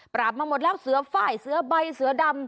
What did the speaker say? มาหมดแล้วเสือไฟล์เสือใบเสือดำ